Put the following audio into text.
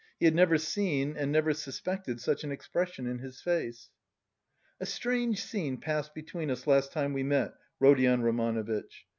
He had never seen and never suspected such an expression in his face. "A strange scene passed between us last time we met, Rodion Romanovitch.